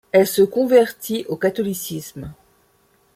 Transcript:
Elle se convertit au catholicisme.